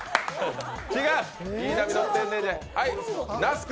違う！